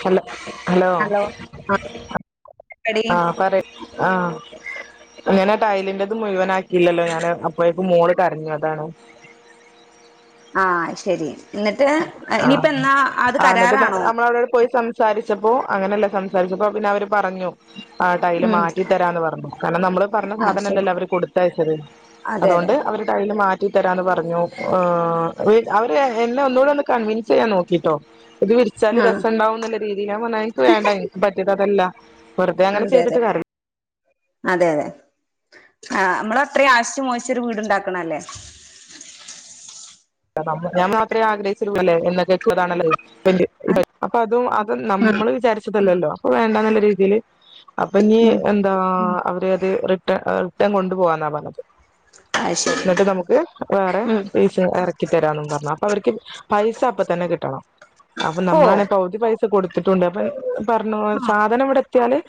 Hala hello ആ എടി ആ ആ പറ ആ അങ്ങനെ ടൈലിന്റെത് മുഴുവനാ ഇല്ലല്ലോ ഞാന് അപ്പ ഇപ്പ മോള് കരഞ്ഞു അതാണോ ആ ശരി എന്നിട്ട് ആ ഇനിയിപ്പോ എന്നാ അത് കരാറാണോ പച്ചപ്പോ അങ്ങനെയല്ല സംസാരിച്ചപ്പോ പിന്നെ അവര് പറഞ്ഞു ആ ടൈയല് ഉം മാറ്റിത്തരാന്ന് പറഞ്ഞു കാരണം നമ്മള് പറഞ്ഞ ആ ശരി സാധനല്ലല്ലോ അവര് കൊടുത്തയച്ചത് അതെ അതെ അതുകൊണ്ട് അവര് ടൈല് മാറ്റി ട്ടി തരാന്ന് പറഞ്ഞു ആഹ് അവര് എന്നെ [unintelligible] ഒന്നൂടെ ഒന്ന് കൺ ചെയ്യാൻ നോക്കിട്ടോ ഇത് വിളിച്ചാല് ആ രസം ഉണ്ടാവുംന്നുള്ള രീതിയില ഞാൻ പറന്ന് എനിക്ക് വേണ്ട എനിക്ക് പറ്റിയത് അതല്ല വെറുതെ അങ്ങനെ അതെ അതെ ചെയ്തിട്ട് കാര്യ അതെ അതെ ആ നമ്മള് അത്രയും ആശിച്ചു മോശിച്ചൊരു വീടുണ്ടാക്കണല്ലേ [unintelligible] ഞാമാത്രേ [unintelligible] ആ, [unintelligible] അത് ഉം നമ്മള് വിചാരിച്ചതല്ലല്ലോ അപ്പൊ വേണ്ട നല്ല രീതിൽ അപ്പൊ നീ ഉം എന്താ അവര് അത് റിട്ടേ റിട്ടേൺ കൊണ്ടു പോകന്ന പറഞ്ഞത് അത് ശരി എന്നിട്ട് നമുക്ക് വേറെ ഉം പീസ് ഇറക്ക [unintelligible] അവർക്ക് പൈസ അപ്പ തന്നെ കിട്ടണം അപ്പൊ ഓ നമ്മളാണ് ഇപ്പ ഓരു പൈസ കൊടുത്തിട്ടുണ്ട് അപ്പ പറണു സാധനം ഇവിട [unintelligible]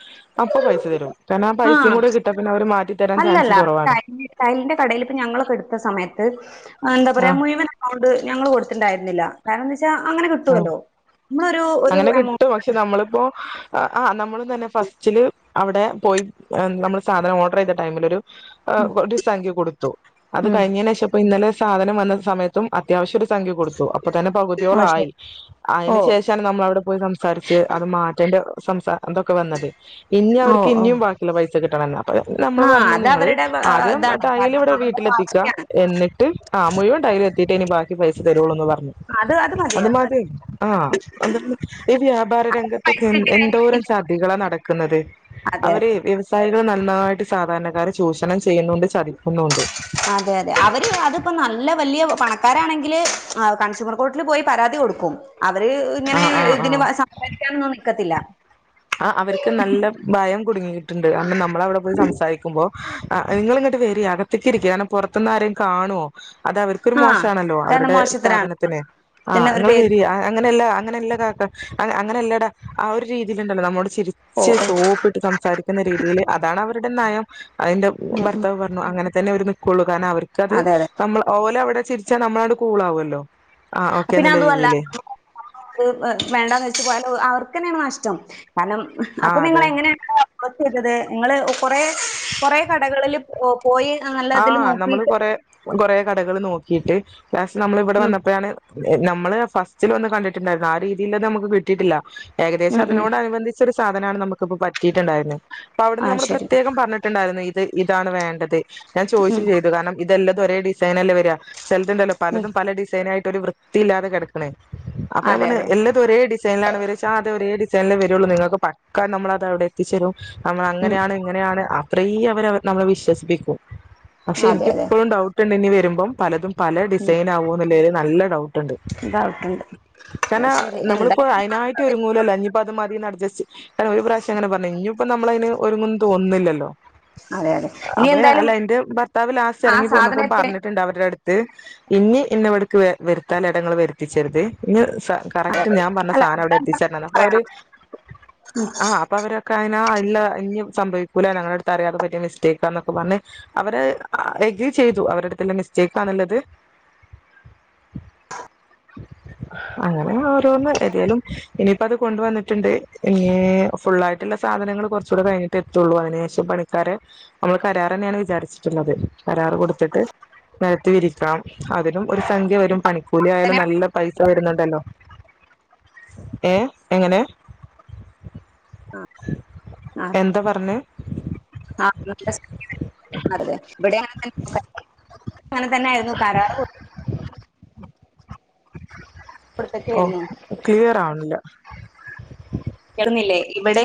ആഹ് കൂടെ കിട്ടാ പിന്നെ അവര് മാറ്റി തരാൻ ചാൻസ് അല്ലല്ല കുറവാണ് [unintelligible] ഞങ്ങളൊക്കെ എടുത്ത സമയത്ത് എന്താ പറയാ ആഹ് മുഴുവൻ അൗണ്ട് ഞങ്ങള് കൊടുത്തിുണ്ടരുന്നില്ല കാരണം ച്ച അങ്ങനെ ആഹ് കിട്ടുമല്ലോ നമ്മള് ഒരു ഒരു എമൗണ്ട് ആഹ് ആഹ് നമ്മള് ഇന്ന് തന്നെ ഫസ്റ്റില്. അവിടെ പോയി നമ്മൾ സാധനം ഓർഡർ ചെയ്ത ടൈമിൽ ഒരു ആ ഉം ഒരു സംഖ്യ കൊടുത്തു അത് ഉം കഴിഞ്ഞേന്ശേഷം ഇന്നലെ സാധനം വന്ന സമയത്തും അത്യാവശ്യം ഉണ്ട്. സംഖ്യ കൊടുത്തു അപ്പൊ തന്നെ ഓ പകുതിയോളം ശരി ആയി. ഓ അതിന് ശേഷമാണ് നമ്മൾ അവിടെ പോയി സംസാരിച്ച് അത് മാറ്റേ സംസാ അതൊക്കെ വന്നത്, ഇനി ഓ അവർക്ക് ഓ ഇനിയും ബാക്കിയുള്ള പൈസ. ചെകിട്ടന്നെന്ന് നമ്മള് ആഹ് പറഞ്ഞു അത് നിങ്ങള് അവരുടെ ആ, ആദ്യം ഇതാണ് ടൈൽ ഇവിടെ കാരണം അവരുടെ വീട്ടിലെത്തിക്കാ വാശിയാണ് എന്നിട്ട് ആ മുഴുവൻ ടൈൽ എത്തിയിട്ട് ഇനി ബാക്കി പൈസ തരുള്ളൂന്ന് പറഞ്ഞു. അത് അത് മതി അത് മതി അഴിമതി ആ എന്താണ് എടി വ്യാപാര രംഗത്ത് പൈസ ഒക്കെ എ കിട്ടി കഴിഞ്ഞ എന്തോരം പിന്നെ ചതികളാ നടക്കുന്നത്, അതെ അവര് വ്യവസായ നന്നായിട്ട് സാധാരണക്കാരെ ചൂഷണം ച് അതെ അതെ അവര് അതിപ്പോ നല്ല വലിയ പണ ആക്കാരാണെങ്കിൽ കൺസ്യൂമർ കോർട്ടിൽ പോയി പരാതി കൊടുക്കും അവര് ഇങ്ങനെ ആഹ് ആഹ് ആഹ് ഇതിന് സംസാരിക്കാനോന്നെ ക്കത്തില്ല ആ അവർക്ക് നല്ല ഭയം കുടുങ്ങിയിട്ടുണ്ട് കാരണം നമ്മൾ അവിടെ പോയി സംസാരിക്കുമ്പോ ആ നിങ്ങളിങ്ങോട്ട് വരീ അകത്തേക്ക് ഇരിക്ക് കാരണം പുറത്തുന്ന് ആരേം കാണുവോ അത് അവർക്കൊരു ആഹ് മോശാണല്ലോ കാരണം അവരുടെ മോശത്തരാണ് സ്ഥാപനത്തിന് ആ പിന്നെ അവര് നിങ്ങള് പേര് വരിൻ അങ്ങനെയല്ല അങ്ങനെയല്ല കാക്ക അങ്ങനെല്ലട ആ ഒരു രീതി ഇല്ലില്ല നമ്മോട്- ഓ ചിരിച്ച് ഓ സോപ്പിട്ട് സംസാരിക്കുന്ന രീതിയിൽ അതാണ് അവരുടെ നയം അതിന്റെ ഉം ഉം ഭർത്താവ് പറഞ്ഞു അങ്ങനെ തന്നെ അവര് നിക്കോളൂ കാരണം അവർക്ക് അത് അതെ അതെ നമ്മൾ ഓല അവിടെ ചിരിച്ചാൽ നമ്മള് അങ്ങോട്ട് കൂൾ ആവുല്ലോ. പിന്നെ അതുമല്ല [unintelligible] വേണ്ടാന്ന് വെച്ച് പോയാല് അവർക്കെന്നയാണ് നഷ്ടം കാരണം ആ അപ്പൊ അതെ നിങ്ങള് എങ്ങനെയാണ് [unintelligible] ചെയ്തത് നിങ്ങള് കൊറെ കൊറേ കടകളില് ആഹ് നമ്മള് കൊറ കൊറ കടകൾ നോ ഇട്ട് ലാസ്റ്റ് നമ്മൾ ഇവിടെ ഉം, വന്നപ്പോഴാണ് നമ്മള് ഫസ്റ്റില് വന്ന് കണ്ടിട്ടുണ്ടായിരുന്നു ആ രീതിലൊന്നും നമുക്ക് കിട്ടിയിട്ടില്ല- ഉം, ഉം. ഏകദേശംതിനോട് അനബന്ധിച്ച സാധനമാണ് നമുക്കിപ്പ പറ്റിട്ടുണ്ടരുന്നത്. അപ്പൊ ആ അവിടുന്ന് നമ്മൾ ശരി പ്രത്യേകം പറഞ്ഞിട്ടുണ്ടായിരുന്നു ഇത് ഇതാണ് വേണ്ടത് ഞാൻ ഉം, ചോയിച്ചില്ലേ ഇതെല്ലം [unintelligible] ഒരേ ഡിസൈനല്ലേ വരാ ചിലതുണ്ടല്ലോ ഉം. പലതും പല ഡിസൈനായിട്ട് ഒരു വൃത്തിയില്ലാതെക്കെടക്ക്ണ് അപ്പൊ അതെ നമ്മ അതെ എല്ലാും ഒരേ ഡിസൈനിലാണ് വരച്ച അത ഒരേി ചല്ലേ വരുള്ളൂ നിങ്ങൾക്ക് പക്കം നമ്മള അത അവിടെ എത്തിച്ചേരും നമ്മൾ ഉം, അങ്ങനെയാണ് ഇങ്ങനെയാണ് അത്രയും അവരെ നമ്മളെ വിശ്വസിപ്പിക്കും. പക്ഷെ അതെ അതെ എനിക്കിപ്പോഴും ഡൗട്ട് ഉണ്ട് ഇനി വരുമ്പം പലതും പല ഉം, ഡിസൈൻ ആവുവോ [unintelligible] നല്ലേ ഡൗട്ടുണ്ട് അത് കരണം ശരി നമ്മളിപ്പോ എന്തായാലും അയിനായിട്ട് ഒരുങ്ങൂലല്ലോ അഞ്ഞിപ്പത് മതി അ കണം ഒരു പ്രാവശ്യം അങ്ങനെ പറഞ്ഞു ഇനിയിപ്പ നമ്മളതിന് ഒരുങ്ങും തോന്നില്ലല്ലോ അതെ അതെ ഇനി അയ എന്തായാലും എന്റെ ഭർത്താവ് ലാസ്റ്റ് ആ ഇറങ്ങി പോന്നപ്പോ സാധനത്തിന് പറഞ്ഞിട്ടുണ്ട് അവരുടെ അടുത്ത് ഇനി ഇന്ന ഇവി വെ വെരുത്താൽ എടകൾ വെരുത്തിച്ചരുത് ഇന്ന് അതെ. കറക്റ്റ് ഞാൻ പറഞ്ഞ അല്ല സാധനം അവിടെ അതെന്താ എത്തിച്ചരണമെന്ന് അപ്പൊ അവര് പറയണം ആഹ് അപ്പൊ അവരൊക്കെ അയി ല്ല ഇഞ്ഞ് സംഭവിക്കൂല്ല ഞങ്ങളുടെ അടുത്ത് അറിയാതെ പറ്റിയ മിസ്റ്റേക്കാ എന്നൊക്കെ പറഞ്ഞ് അവരെ എഗ്രി ചെയ്തു അവരുടുത്തല്ല മിസ്റ്റേക്ക്ാന്നുള്ളത് [unintelligible] അങ്ങനെ ഓരോന്ന് ഏതാലും ഇനിപ്പോ അത് കൊണ്ടുവന്നിട്ടുണ്ട് ഇനി ഫുള്ളായിട്ടുള്ള സാധനങ്ങൾ കുറച്ചൂടെ കഴിഞ്ഞിട്ട് എത്തുള്ളൂ അതിനു ശേഷം പണിക്കാരെ നമ്മൾ കരാർ തന്നെയാണ് വിചാരിച്ചിട്ടുള്ളത്. കരാറ് കൊടുത്തിട്ട് നിരത്ത് വിരിക്കാം. അതിനും ഒരു സംഖ്യ വരും പണിക്കൂലി ആയാലും അങ്ങനെ- നല്ല പൈസ വരുന്നുണ്ടല്ലോ. ഏ എങ്ങനെ ആഹ എന്താ പറഞ്ഞേ ആ [unintelligible] അതെ ഇവിടെ തന്നെങ്ങ [unintelligible] ന തന്നെ ആയിരുന്നു കരാർ കൊടുത്തൊക്കെ ഓ ആയിരുന്നു ക്ലിയർ ആവണില്ല കേൾക്കുന്നില്ലേ ഇവിടെ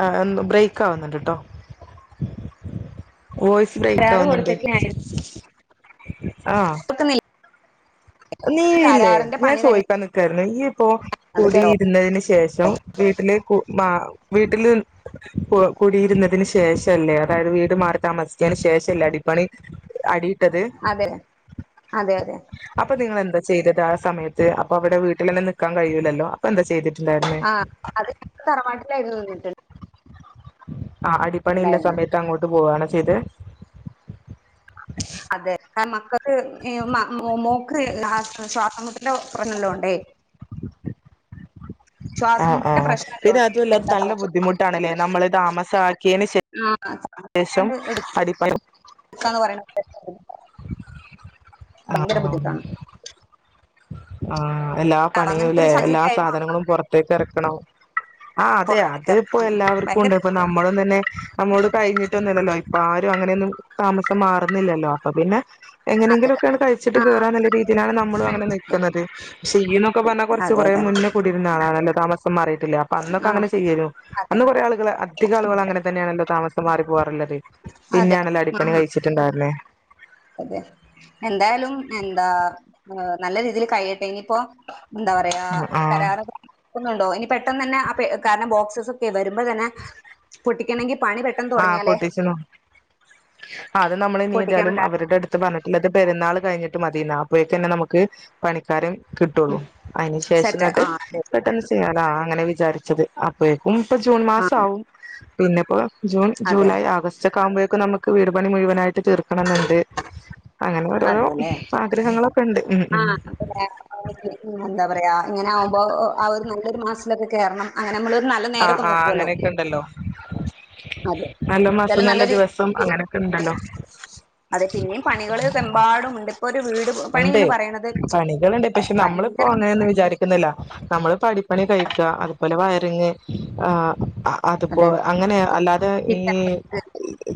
അ [unintelligible] ബ്രേക്ക് ആവുന്നുണ്ട്ട്ടോ വോയിസ് ബ്രേക്ക് കരാറ് ആവുന്നുണ്ട് കൊടുത്തൊക്കെയായിരുന്നു ആഹ് കേൾക്കുന്നില്ലേ നീ ഇല്ലേ കരാറിന്റെ ഞാൻ പണി തന്നെ ചോയിക്കാൻ നിക്ക [unintelligible] ഇപ്പ അത് കേട്ടോ കൂടിയിരുന്നതിന് ശേഷം വീട്ടില് മാ വീട്ടില് കുടിയിരുന്നതിന് ശേഷമല്ലേ അതായത് വീട് മാറി താമസിച്ചേന് ശേഷമല്ലേ അടിപണി അതെ അതെ അതെ പ്പ നിങ്ങ എന്താ ചെയ്തത് ആ സമയത്ത് അപ്പൊവിടെ വീട്ടിലന്നെ നിൽക്കാൻ കഴിയില്ലല്ലോ അപ്പ ന്ത ചെയ്തത് ആ അത് തറവാട്ടിലായിരുന്നു നിന്നിട്ടുള്ള ആ്അടിപ്പണിയുള്ള സമയത്ത് അങ്ങോട്ട് പോവാ ചെയ്തേ അതെ മക്കൾക്ക് മോക്ക് ശ്വാസമുട്ടൽ [unintelligible] ണ്ടേ [inaudible] ആ ശ്വാസംമുട്ടിന്റെ ആഹ് പ്രശ്നമെല്ലാം പിന്നെ ഉണ്ടേ അതുമല്ലാതെ എന്താ നല്ല പറയാ ബുദ്ധിമുട്ടാണല്ലേ നമ്മള് താമസാക്കിയന് ശേഷ ആ ശേഷം സർക്കാരാണ്ട് അടിപ്പ [inaudible] അ ഭയങ്കര ബുദ്ധിമുട്ടാണ് ആ ആഹ് എല്ലാ അപ്പൊ അങ്ങനത്തെ ഒരു പണിയുല്ലേ എല്ലാ സാഹചര്യം ആയിരുന്നു സാധനങ്ങളും പുറത്തേക്ക് ഇറക്കണം ആ അതെ പുറത്തേക്ക് അത് ഇപ്പോ ഇറങ്ങണം എല്ലാവർക്കും ഭയങ്കര ഉണ്ട് ഇപ്പൊ നമ്മളും തന്നെ നമ്മോട് കഴിഞ്ഞി [unintelligible] ല്ലല്ലോ ഇപ്പൊ ആരും അങ്ങനെയൊന്നും താമസം മാറുന്നില്ലല്ലോ അപ്പൊ പിന്നെ അതെ എങ്ങനെങ്കിലുംക്കെയാണ് കഴ [unintelligible] ച്ചിട്ട് ആ കയറാനുള്ള രീതിയിലാണ് നമ്മളു അങ്ങനെ നി ക്കുന്നത് ക്ഷിണം ഒക്കെ പറഞ്ഞാ കുറച്ച് അതെ കുറേ അതെ മുന്നേ കൂടിരുന്നാണല്ലോ താമസം മാറിട്ടില്ല അന്നൊക്കെ ആ അങ്ങന ചെയ്യരുന്നു അതെ അന്ന് കുറേ ആളുകൾ അധിക ആളുകൾ അങ്ങനെ തന്നെയാണല്ലോ താമസം മാറി പോവാറില്ലേ അതെ ആ അതെ എന്തായാലും എന്താ നല്ല രീതിയിൽ കഴിയട്ടെ ഇനിയിപ്പോ എന്താ പറയാ ആ കരാറ നോക്കുന്നുണ്ടോ ഇനി പെട്ടെന്ന് തന്നെ അ കാരണം ബോക്സസ് ഒക്കെ വരുമ്പോ തന്നെ പൊടിക്കണമെങ്കി ആഹ് പൊട്ടിച്ചിനു അത് നമ്മൾ ഇനി പൊട്ടിക്കണം എഴുതിയാലും കാ അവരുടെയെടുത്ത് പറഞ്ഞു. ഇന്നട്ട് പെരുന്നാൾ കഴിഞ്ഞിട്ട് മതിയന്നാ അപ്പോഴൊക്ക നമുക്ക് പണിക്കാരൻ കിട്ടുള്ളൂ അതിന് ശേഷം സെറ്റ് എന്നിട്ട് ആഹ് അതെ പെട്ടെന്ന് ചെയ്യലാ അങ്ങനെ വിചാരിച്ചത് അപ്പേ ഉ ഇപ്പ ജൂൺ മാസം ആഹ് ആവും പിന്നെപ്പോ ജൂൺ അതെ ജുലൈ ഓഗസ്റ്റ് ആകുമ്പോഴേക്കും നമുക്ക് വീട്പണി മുഴുവനായിട്ട് തീർക്കണം എന്നുണ്ട് അങ്ങനെ ഓരോരോ ആഗ്രഹങ്ങളൊക്കെ ഉണ്ട്. ഉം ഉം ആഹ എന്താ പറയാ ഇങ്ങനെ ആവുമ്പോ അവര് [unintelligible] കേറണം അല്ലെ കാരം നമ്മള് നല്ല ആഹ് നേരൊക്കെ ആഹ് നോക്കുല്ലോ അങ്ങനെയൊക്കെ ഉണ്ടല്ലോ [unintelligible] നല്ല മാസം നല്ല ദിവസം അങ്ങനെയൊക്കെ ഉണ്ടല്ലോ അതെ പിന്നയും പണികൾമ്പാടു ഉണ്ട് ഒരു വീട് പണി ഉണ്ട് പറയണത് പണികളുണ്ട് പക്ഷെ നമ്മളിപ്പോ ഭയങ്കര അങ്ങനെന്ന് വിചാരിക്കുന്നില്ല നമ്മള് പഠി പണി കഴിക്കുക അതുപോലെ വയറിങ്ങ് ആ അ അതിപ്പോ അതെ അങ്ങനെ അല്ലാതെ ഈ കിച്ചൺ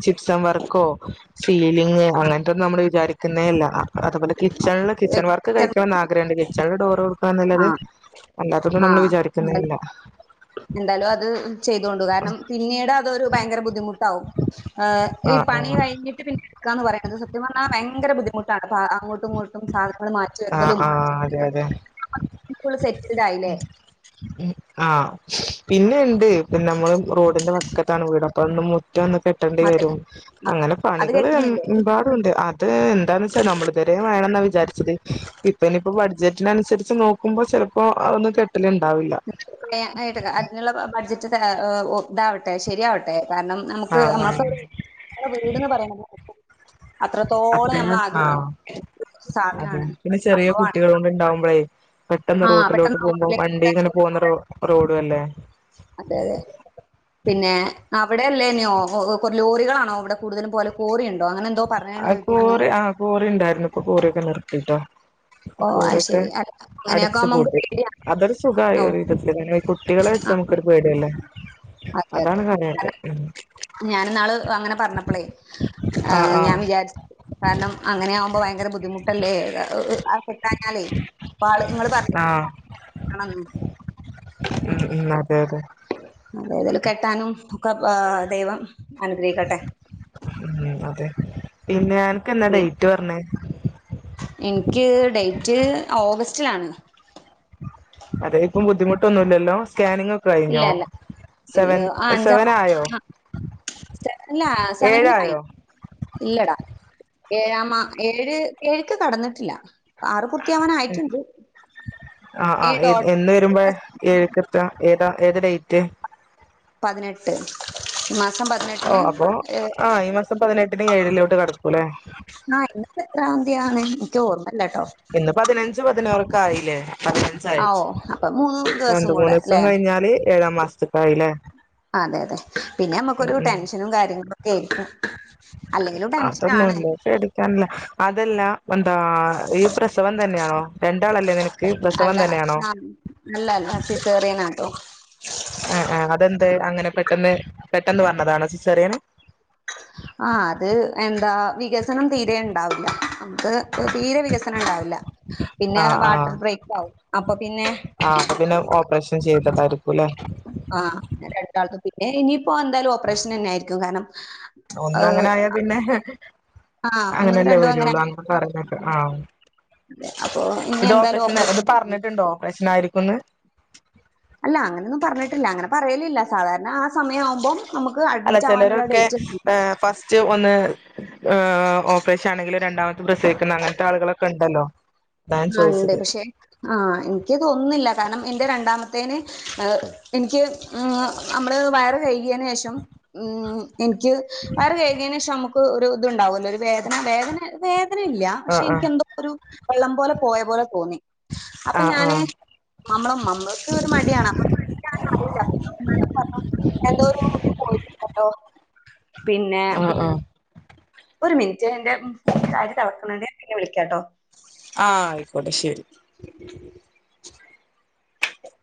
ചിപ്സം വർക്കോ സീലിങ് അങ്ങനത്തെ നമ്മള് വിചാരിക്ക തന്നേയല്ല അതും കിച്ചണില് കിച്ചൺ വർക്ക് കഴിക്കണണം ആഗ്രഹുണ്ട് ചെല ഡോറ് തുറക്കന്നല്ലാതെ ആഹ് അല്ലാത്തതൊന്നും നമ്മള് ആഹ് എന്തായാലും വിചാരിക്കുന്നില്ല എന്തായാലും അത് ചെയ്തോണ്ടു കാരണം പിന്നീട് അതൊരു ഭയങ്കര ബുദ്ധിമുട്ടാാവും മ് ആ ഈ പണി ആ കഴിഞ്ഞിട്ട് പിന്നെ എടുക്കാന്ന് പറയുന്നത് സത്യം പറഞ്ഞാൽ ഭയങ്കര ബുദ്ധിമുട്ടാണ് അങ്ങോട്ട് അങ്ങേട്ടും ഇങ്ങോട്ടും സാധനങ്ങൾ മാറ്റി ആ വെക്കലും ആ അതെ അതെ സെറ്റിൽഡ് ആയില്ലേ ഉം ആഹ് പിന്നെ ഉണ്ട് പിന്നെ നമ്മള് റോഡിന്റെ പക്കത്താണ് വീടപ്പം മു [unintelligible] കെട്ടേണ്ടി അത് വരും അങ്ങനെ അത് കെട്ടുന്നില്ലേ പണികൾമ്പാടുണ്ട് അത് എന്താന്ന് വെച്ചാ നമ്മള് വേണന്ന വിചാരിച്ചത് ഇപ്പനി ബഡ്ജറ്റിനനുസരിച്ച് നോ ക്കുമ്പോ ചെലപ്പോ അതൊന്നും കെട്ട്ല്ണ്ടാവില്ല ഓ ഇതാവട്ടെ ശരിയാവട്ടെ കാരണം നമുക്ക് ആഹ് നമ്മൾക്ക വീട്ന്ന് പറയ അത്രത്തോളം അതെ നമ്മൾ ആഹ് ആഗ്രഹിക്ക അതെ സാധനമാണ് പിന്നെ ചെറിയ സംഭവമാണ് കുട്ടികളോണ്ട് ഇണ്ടാവുമ്പളേ പെട്ടെന്ന് റോട്ടിലോട്ട് പോകുമ്പോ വണ്ടി ഇങ്ങനെ പോകുന്ന റോ റോഡ് ക്കുല്ലേ. അതെ അതെ പിന്നെ അവിടെയല്ലേന്നെയോ കൊറ ലോറികളാണോ അവിടെ കൂടുതലും പോലെ കോറി ഉണ്ടോ അങ്ങനെ എന്തോ പറഞ്ഞാണ് ആ കേട്ടിരുന്നു കോറി ആഹ കോറി ഉണ്ടായിരുന്നു ഇപ്പൊ കോറൊക്കെ നിർത്തിട്ടോ ഓ അത് കൊറിയൊക്കെ ശരി അല്ല അങ്ങനെയൊക്കെ ആകുമ്പോ നമുക്ക് അടച്ച്പൂട്ടി പേടിയാണ് അതൊരു സുഖയി ഓ ഒരു വിധത്തില് കുട്ടികളെ വെച്ച് ആ നമുക്കൊരു പേടിയല്ലേ അതെ അതാണ് അതെ കാര്യായിട്ട് കാരണം ഉം ഞാൻ ഇന്നാൾ അങ്ങനെ പറഞ്ഞപ്പോളെ ആഹ് ആഹ് ഞാൻ രാജ കാരണം അങ്ങനെ ആവുമ്പോ ഭയങ്കര ബുദ്ധിമുട്ടല്ലേ [unintelligible] ആളെ നിങ്ങള് പറഞ്ഞ. ആഹ് [inaudible] ഉം ഉം അതെയതെ. ഏതലും കെട്ടാനും കബ ദൈവം അനുഗ്രഹിക്കട്ടെ ഉം അതെ പിന്നെ അനക്ക് എന്ന ഈ ഡേറ്റ് പറഞ്ഞേ ഇക്ക് ഡേറ്റ് ഓഗസ്റ്റിലാണ് അതെപ്പും ബുദ്ധിമുട്ടൊന്നുല്ലല്ലോ സ്കാനിങ് ഒക്കെ ഇല്ല കഴിഞ്ഞോ ഇല്ല ഇല്ല സെവൻ ആ അഞ്ചാം സെവൻ ആയോ ആഹ് സെവനില് സെവനിക്ക് ആയി ഏഴായോ ഇല്ലടാ. ഏഴാമാ ഏഴ് ഏഴുക്ക് കടന്നിട്ടില്ല പൂർത്തിയാവാനായിട്ടുണ്ട്. ആ ഏ ആ ഡോട്ട് എന്ന വരുമ്പോ എഴുക്കത്ത ഏതാ ഏത് ഡേറ്റ് പതിനേഴ് ട്ട് മാസം ഓ പതിനെട്ടിന് അപ്പൊ ഏഹ് ആഹ് ഈ മാസം പതിനെട്ടിന് ആഹ് ഏഴിലോട്ട് കടക്കൂല്ലേ ഇന്നിപ്പോ എത്ര തീയതിയാണ് എനിക്ക് ഓർമ്മ. ഇന്ന് പതിനഞ്ച് പതിനാറ് കായില്ലേ ആ ഓ അപ്പൊ മൂന്ന് ദിവസം രണ്ട് കൂടെ മൂന്ന് ദിവസം അല്ലെ കഴിഞ്ഞാല് ഏഴാം മാസത്തക്കായില്ലേ അതെ അതെ പിന്നെ നമുക്കൊരു ടെൻഷനും കാര്യങ്ങളും കേ ഏ അതൊന്നുമല്ല പേടിക്കാനില്ല അതല്ല എന്താ ഈ പ്രസവം തന്നെയാണോ, രണ്ടാളല്ലേ നിനക്ക് പ്രസവം അല്ല തന്നെയാണോ. ആഹ് അല്ല അല്ല സിസേറിയനാട്ടോ. ആഹ് ആഹ് അതെന്ത് അങ്ങനെ പെട്ടെന്ന്. പെട്ടെന്ന് പറഞ്ഞതാണോ സിസറിയന് ആഹ് അത് എന്താ വികസനം തീരെ ഉണ്ടാവില്ല. നമ്മുക്ക് തീരെ വികസനം ഉണ്ടാവില്ല പിന്നെ വാട്ടർ ബ്രേക്ക് ആവും അപ്പൊ പിന്നെ ആഹ് അപ്പൊ പിന്നെ ഓപ്പറേഷൻ ചെയ് [unintelligible] ആഹ് രണ്ടാൾക്കും പിന്നെ ഇനിയിപ്പോ എന്തായാലും ഓപ്പറേഷൻ തന്നെ ആയിരിക്കും കാരണം ഒന്നങ്ങനെ ഏഹ് ആയാ പിന്നെ ആഹ് ഒന്നും അങ്ങനെയല്ലേ രണ്ടും വരുള്ളു അങ്ങനെ പറഞ്ഞൊക്കെ ആഹ് അപ്പൊ ഇനി ഇത് എന്തായാലും ഓപ്പറേഷൻ ഇത് പറഞ്ഞിട്ടുണ്ടോ ഓപ്പറേഷൻ ആയി വന്ന് അല്ല അങ്ങനെയൊന്നും പറഞ്ഞിട്ടില്ല അങ്ങനെ പറയലില്ല സാധാരണ ആ സമയം ആവുമ്പം നമുക്ക് അല്ല അഡ്മിറ്റ് ആവാനുള്ള ചിലരൊക്കെ ഡേറ്റ് ഫസ്റ്റ് ഒന്ന് ഓപ്പറേഷൻ ആണെങ്കിലും രണ്ടാമത് പ്രസവിക്കുന്ന അങ്ങനത്തെ ആളുകളൊക്കെ ഉണ്ടല്ലോ ഞാൻ ആ ഇണ്ട് ചോദിച്ചത് പക്ഷെ ആ എനിക്ക് തോന്നുന്നില്ല കാരണം എന്റെ രണ്ടാമത്തേന് എനിക്ക് നമ്മള് വയർ കയി േഷം ഉ എനിക്ക് വേറെ [unintelligible] ഒരു ഇതുണ്ടാവുമല്ലോ ഒരു വേദന വേദന [unintelligible] അന ഇല്ല പക്ഷെ ആഹ് ആഹ് എനിക്ക എന്തോ ഒരു വെള്ളം പോലെ പോയ പോലെ തോന്നി അപ്പൊ ആഹ് ഞാന് ആഹ് നമ്മള നമ്മൾക്ക് ഒരു മടിയാണ് അപ്പ അറില്ലഞ്ഞ എന്തോ പോയി കേട്ടോ ഉ പിന്നെ ആഹ് ആഹ് ഒരു മിനിറ്റ് എന്റെ അരി തിളക്ക്ണുണ്ട് ഞാൻ പിന്നെ വിളിക്കാട്ടോ ആഹ് ആയിക്കോട്ടെ ശരി ഉ